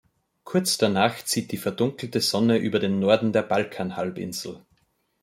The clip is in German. Kurz danach zieht die verdunkelte Sonne über den Norden der Balkanhalbinsel.